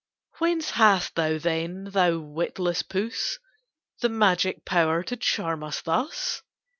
Whence hast thou then, thou witless puss! The magic power to charm us thus?